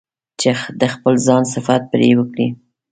چې د خپل ځان صفت پرې وکړي.